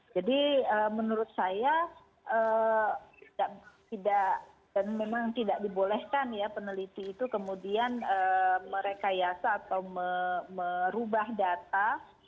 jadi menurut saya memang tidak dibolehkan peneliti itu kemudian merekayasa atau merubah data